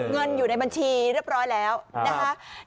เงินอยู่ในบัญชีเรียบร้อยแล้วนะคะ